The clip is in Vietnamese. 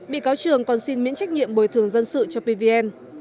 bị cáo trường còn xin miễn trách nhiệm bồi thường dân sự cho pvn